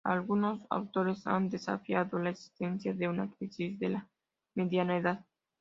Algunos autores han desafiado la existencia de una crisis de la mediana edad.